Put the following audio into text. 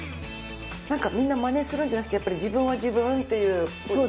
なんかみんなマネするんじゃなくてやっぱり自分は自分っていうものを。